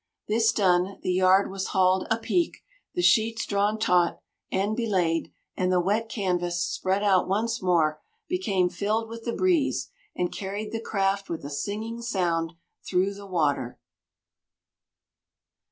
This done, the yard was hauled "apeak," the "sheets" drawn "taut" and "belayed," and the wet canvas, spread out once more, became filled with the breeze, and carried the craft with a singing sound through the water.